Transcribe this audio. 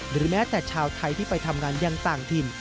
หรือแม้แต่ชาวไทยที่ไปทำงานยังต่างถิ่น